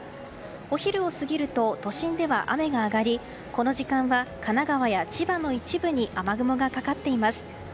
お昼を過ぎると都心では雨が上がりこの時間は神奈川や千葉の一部に雨雲がかかっています。